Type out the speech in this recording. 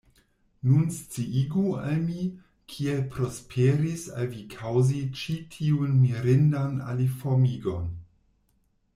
Nun sciigu al mi, kiel prosperis al vi kaŭzi ĉi tiun mirindan aliformigon.